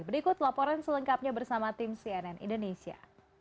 berikut laporan selengkapnya bersama tim cnn indonesia